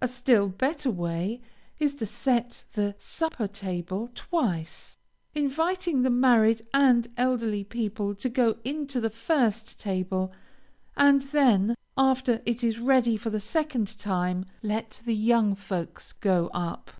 A still better way, is to set the supper table twice, inviting the married and elderly people to go into the first table, and then, after it is ready for the second time, let the young folks go up.